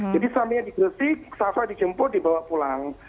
jadi samanya di gresik shalfa dijemput dibawa pulang